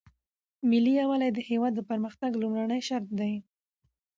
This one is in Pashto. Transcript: ملي یووالی د هیواد د پرمختګ لومړنی شرط دی.